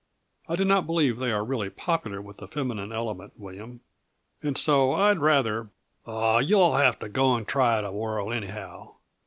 I do not believe they are really popular with the feminine element, William. And so I'd rather " "Aw, you'll have to go and try it a whirl, anyhow.